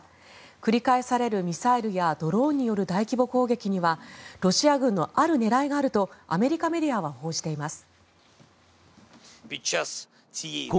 繰り返されるミサイルやドローンによる大規模攻撃にはロシア軍のある狙いがあるとアメリカメディアは報じています。